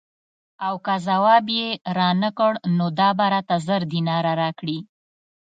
او که ځواب یې رانه کړ نو دا به راته زر دیناره راکړي.